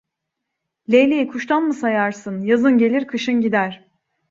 Leyleği kuştan mı sayarsın, yazın gelir, kışın gider.